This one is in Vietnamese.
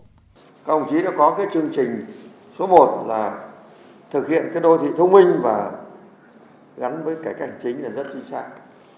các đồng chí đã có chương trình số một là thực hiện đô thị thông minh và gắn với cảnh chính rất chính xác